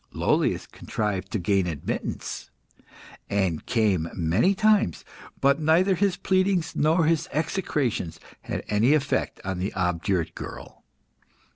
Lollius contrived to gain admittance, and came many times, but neither his pleadings nor his execrations had any effect on the obdurate girl.